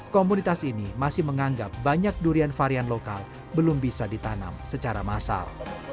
komunitas ini masih menganggap banyak durian varian lokal belum bisa ditanam secara massal